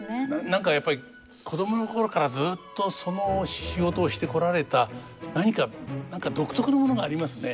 何かやっぱり子供の頃からずっとその仕事をしてこられた何か何か独特のものがありますね。